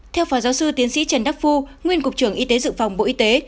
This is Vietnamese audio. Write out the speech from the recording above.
theo phó giáo sư tiến sĩ trần đắc phu nguyên cục trưởng y tế dự phòng bộ y tế